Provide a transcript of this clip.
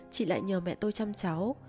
chị lại nhờ mẹ tôi chăm cháu